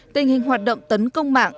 tình hình hoạt động tấn công mạng